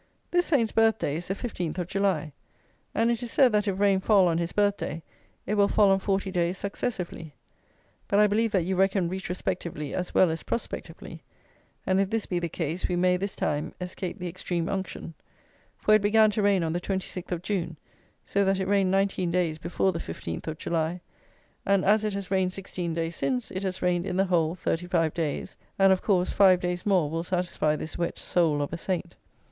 This Saint's birth day is the 15th of July; and it is said that if rain fall on his birth day it will fall on forty days successively. But I believe that you reckon retrospectively as well as prospectively; and if this be the case, we may, this time, escape the extreme unction; for it began to rain on the 26th of June; so that it rained 19 days before the 15th of July; and as it has rained 16 days since, it has rained, in the whole, 35 days, and, of course, five days more will satisfy this wet soul of a saint.